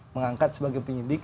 mengangkat sebagai penyidik